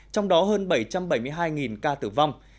trong đó hơn bảy trăm bảy mươi hai ca tử vong